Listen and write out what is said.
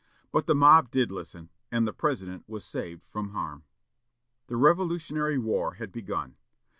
But the mob did listen, and the president was saved from harm. The Revolutionary War had begun.